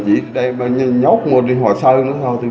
chỉ đem nhóc một hồ sơ nữa thôi